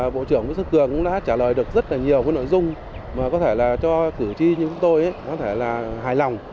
bộ trưởng bộ trưởng cường cũng đã trả lời được rất nhiều nội dung có thể là cho cử tri như chúng tôi hài lòng